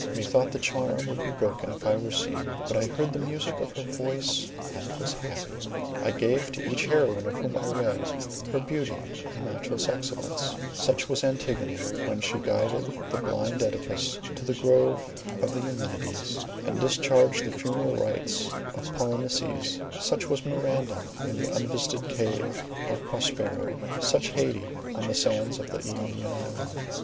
Methought the charm would be broken if I were seen, but I heard the music of her voice and was happy. I gave to each heroine of whom I read, her beauty and matchless excellences—such was Antigone, when she guided the blind Œdipus to the grove of the Eumenides, and discharged the funeral rites of Polynices; such was Miranda in the unvisited cave of Prospero; such Haidee, on the sands of the Ionian island.